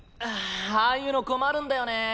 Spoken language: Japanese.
ああいうの困るんだよね。